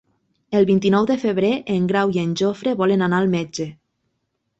El vint-i-nou de febrer en Grau i en Jofre volen anar al metge.